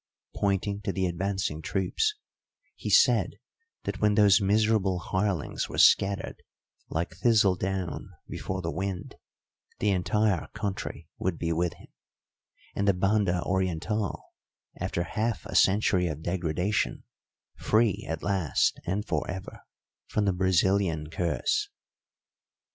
Pointing to the advancing troops, he said that when those miserable hirelings were scattered like thistle down before the wind, the entire country would be with him, and the Banda Orientál, after half a century of degradation, free at last and for ever from the Brazilian curse.